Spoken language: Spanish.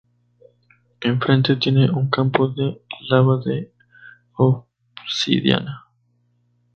En frente tiene un campo de lava de obsidiana.